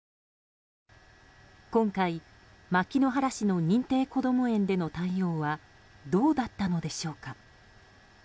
今回、牧之原市の認定こども園での対応はどうだったのでしょうか。